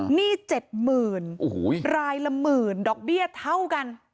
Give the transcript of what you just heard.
หนี้๗๐๐๐๐บาทรายละ๑๐๐๐๐บาทดอกเบี้ยเท่ากัน